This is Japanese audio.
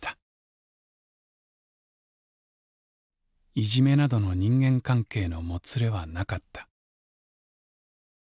「いじめなどの人間関係のもつれはなかった」。